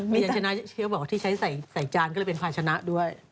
เป็นพาชนะชนะเชียวบอกว่าที่ใช้ใส่จานก็เป็นพาชนะด้วย